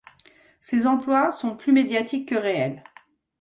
Ces emplois sont plus médiatiques que réels.